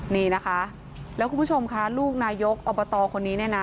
นี่นะคะแล้วคุณผู้ชมค่ะลูกนายกอบตคนนี้เนี่ยนะ